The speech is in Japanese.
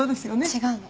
違うの。